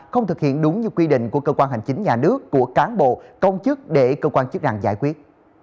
không thực hiện đúng như quy định của cơ quan hành chính nhà nước của cán bộ công chức để cơ quan chức năng giải quyết